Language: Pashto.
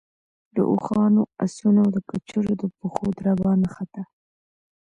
د اوښانو، آسونو او د کچرو د پښو دربا نه خته.